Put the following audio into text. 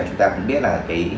chúng ta cũng biết là